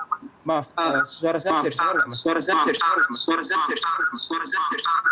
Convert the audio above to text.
maaf suara saya tersalah